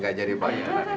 gak jadi banget